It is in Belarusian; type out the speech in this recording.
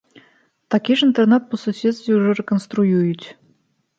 Такі ж інтэрнат па суседстве ўжо рэканструююць.